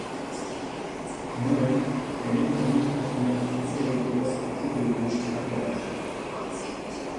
Ondoren, genero aniztasunaz hitz egiteko hartuko dugu tarte bat.